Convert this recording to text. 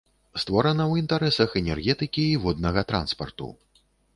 Створана ў інтарэсах энергетыкі і воднага транспарту.